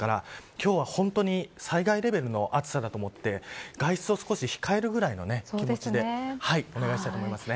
今日は本当に災害レベルの暑さだと思って外出を少し控えるぐらいの気持ちでお願いしたいと思います。